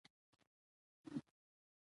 د لیکوالو ورځ د هغوی د قلمي مبارزې لمانځنه ده.